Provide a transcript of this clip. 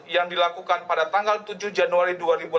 yang dilakukan pada tanggal tujuh januari dua ribu delapan belas